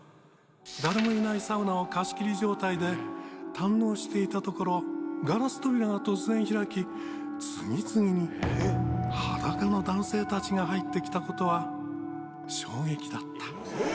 誰もいないサウナを貸し切り状態で堪能していたところ、ガラス扉が突然開き、次々に裸の男性たちが入ってきたことは衝撃だった。